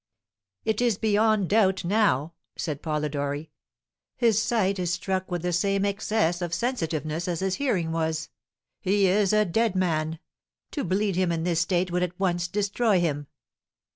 "It is beyond doubt now!" said Polidori. "His sight is struck with the same excess of sensitiveness as his hearing was; he is a dead man! To bleed him in this state would at once destroy him."